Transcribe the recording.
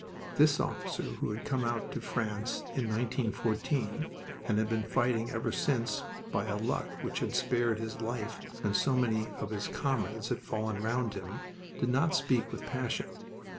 This officer who had come out to France in 1914 and had been fighting ever since by a luck which had spared his life when so many of his comrades had fallen round him, did not speak with passion.